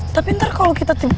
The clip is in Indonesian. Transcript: tapi ntar kalau kita tidak